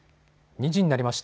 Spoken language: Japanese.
２時になりました。